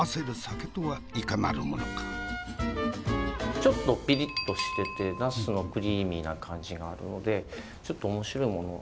ちょっとピリッとしててナスのクリーミーな感じがあるのでちょっと面白いものを。